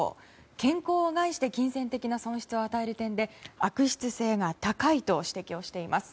健康を害して金銭的な損失を与える点で悪質性が高いと指摘しています。